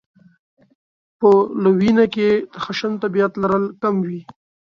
په لویېنه کې یې د خشن طبعیت لرل کم وي.